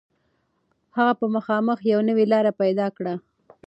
هغه به خامخا یوه نوې لاره پيدا کړي.